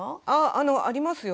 ああのありますよ。